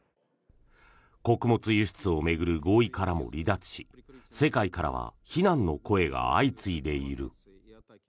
穀物輸出を巡る合意からも離脱し世界からは非難の声が相次いでいる。